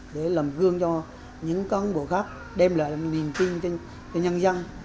để làm gương cho những cán bộ khác đem lại niềm tin cho nhân dân